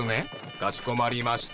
かしこまりました。